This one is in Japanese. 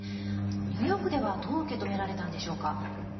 ニューヨークではどう受け止められたんでしょうか。